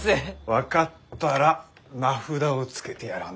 分かったら名札をつけてやらんとな。